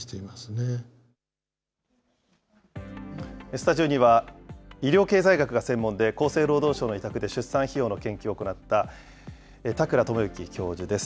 スタジオには、医療経済学が専門で、厚生労働省の委託で出産費用の研究を行った、田倉智之教授です。